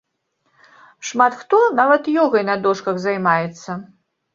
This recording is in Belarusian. Шмат хто нават ёгай на дошках займаецца.